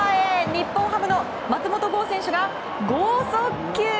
日本ハムの松本剛選手が豪速球。